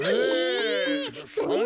そんなあ。